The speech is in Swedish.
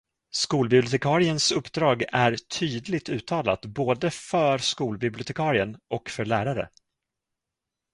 Skolbibliotekariens uppdrag är tydligt uttalat både för skolbibliotekarien och för lärare.